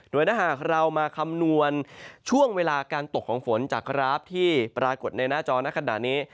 โดยถ้าหากเรามาคำนวณช่วงเวลาการตกของฝนจากกราฟที่ปรากฏในหน้าจอในขณะนี้